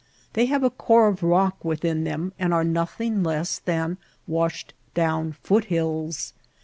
They have a core of rock within them and are nothing less than washed down foot hills.